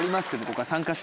僕は。